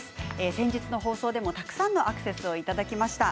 先日の放送でもたくさんのアクセスをいただきました。